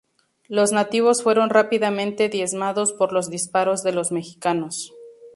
Los nativos fueron rápidamente diezmados por los disparos de los mexicanos.